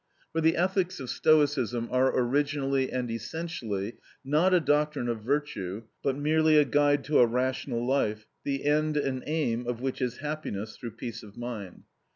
For the ethics of Stoicism are originally and essentially, not a doctrine of virtue, but merely a guide to a rational life, the end and aim of which is happiness through peace of mind.